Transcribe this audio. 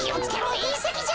いんせきじゃ。